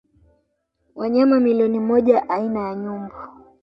Wanyama milioni moja aina ya nyumbu